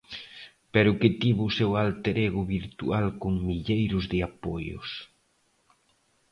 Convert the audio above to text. Pero que tivo o seu alter ego virtual con milleiros de apoios.